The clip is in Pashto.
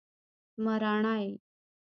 مراڼی